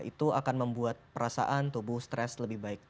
itu akan membuat perasaan tubuh stres lebih baik